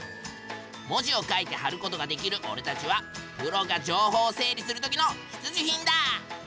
文字を書いて貼ることができるおれたちはプロが情報整理するときの必需品だ！